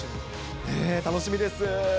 楽しみです。